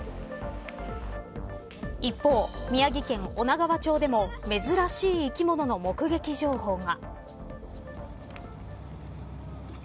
一方、宮城県女川町でも珍しい生き物の目撃情報が。